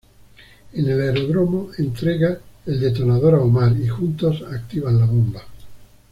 En el aeródromo, entrega el detonador a Omar y juntos activan la bomba.